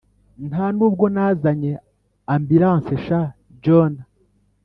nta nubwo nazanye amburance sha jona!